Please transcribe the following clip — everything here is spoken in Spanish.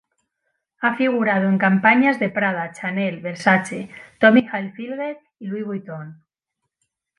Ha figurado en campañas de Prada, Chanel, Versace, Tommy Hilfiger, y Louis Vuitton.